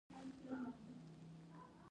ګلاب د مینې موسیقي ده.